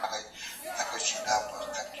قسمت درې واړه شته من په یوه آن کړل `